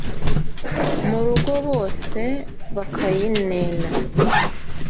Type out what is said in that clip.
Mu rugo bose bakayinena